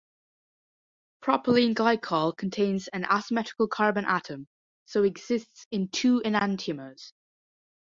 Propylene glycol contains an asymmetrical carbon atom, so it exists in two enantiomers.